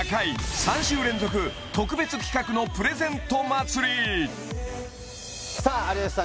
３週連続特別企画のプレゼント祭りさあ有吉さん